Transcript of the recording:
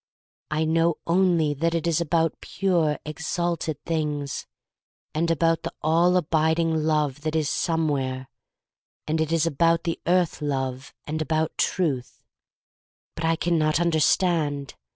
I know only that it is about pure, exalted things, and about the all abiding love that is somewhere; and it is about the earth love, and about Truth, — but I can not understand.